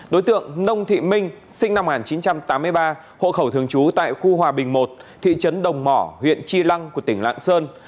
đối tượng nông thị minh sinh năm một nghìn chín trăm tám mươi ba hộ khẩu thường trú tại khu hòa bình một thị trấn đồng mỏ huyện chi lăng của tỉnh lạng sơn